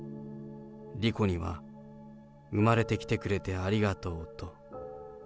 莉子には、生まれてきてくれてありがとうと。